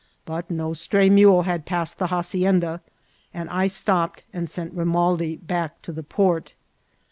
But no stray mule had passed the hacienda, and I stop ped and sent Romaldi back to the port.